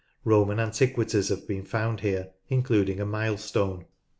Roman antiquities have been found here, including a milestone.